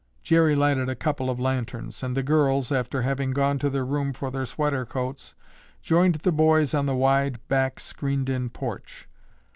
Jerry lighted a couple of lanterns, and the girls, after having gone to their room for their sweater coats, joined the boys on the wide, back, screened in porch.